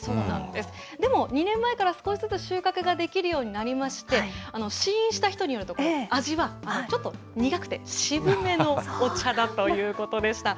でも２年前から少しずつ収穫ができるようになりまして、試飲した人によると、味はちょっと苦くて、渋めのお茶だということでした。